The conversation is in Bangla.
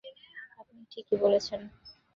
আপনি ঠিকই বলছেন।